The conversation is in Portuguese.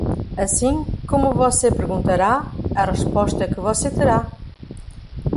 Assim como você perguntará, a resposta que você terá.